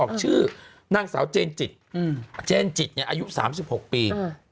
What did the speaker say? ออกชื่อนางสาวเจนจิตอายุ๓๖ปี